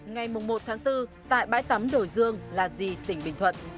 ngày một tháng bốn tại bãi tắm đổi dương là di tỉnh bình thuận